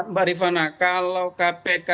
mbak ribana kalau kpk